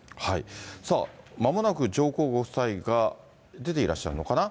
さあ、まもなく上皇ご夫妻が出ていらっしゃるのかな。